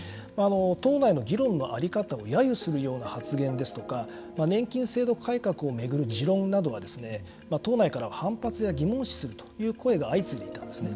党内の議論の在り方をやゆするような発言ですとか年金制度改革を巡る持論などは党内からは反発や疑問視するという声が相次いでいたんですね。